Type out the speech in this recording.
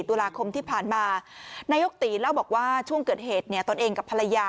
ตุลาคมที่ผ่านมานายกตีเล่าบอกว่าช่วงเกิดเหตุเนี่ยตนเองกับภรรยา